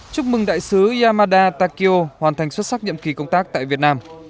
chúc mừng đại sứ yamada takio hoàn thành xuất sắc nhiệm kỳ công tác tại việt nam